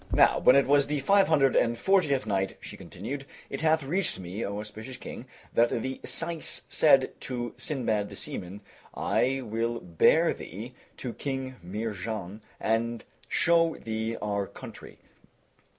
NOW WHEN IT WAS THE FIVE HUNDRED AND FORTIETH NIGHT, She continued, It hath reached me, O auspicious King, that the Syce said to Sindbad the Seaman, "I will bear thee to King Mihrján and show thee our country.